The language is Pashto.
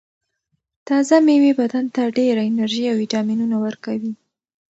تازه مېوې بدن ته ډېره انرژي او ویټامینونه ورکوي.